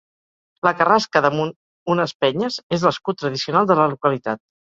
La carrasca damunt unes penyes és l'escut tradicional de la localitat.